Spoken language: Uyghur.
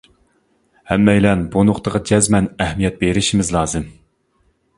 ھەممەيلەن بۇ نۇقتىغا جەزمەن ئەھمىيەت بېرىشىمىز لازىم.